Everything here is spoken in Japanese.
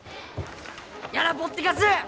やなぽってかす！